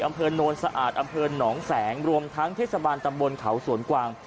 อำเภอโนนสะอาดอำเภอหนองแสงรวมทั้งเทศบาลตำบลเขาสวนกวาง